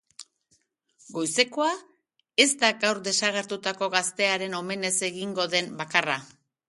Goizekoa ez da gaur desagertutako gaztearen omenez egingo den bakarra.